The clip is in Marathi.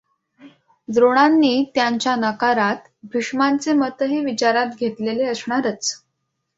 द्रोणांनी त्यांच्या नकारात भीष्मांचे मतही विचारात घेतलेले असणारच.